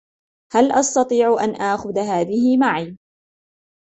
هل أستطيع أن آخذ هذهِ معي ؟